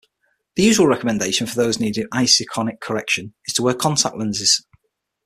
The usual recommendation for those needing iseikonic correction is to wear contact lenses.